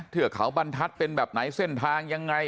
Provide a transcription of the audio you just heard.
เทือกเขาบรรทัศน์เป็นแบบไหนเส้นทางยังไง